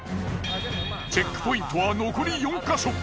チェックポイントは残り４か所。